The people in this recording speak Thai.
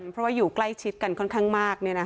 เพราะว่าอยู่ใกล้ชิดกันค่อนข้างมาก